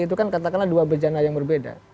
itu kan katakanlah dua bejana yang berbeda